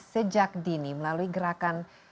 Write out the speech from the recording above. sejak dini melalui gerakan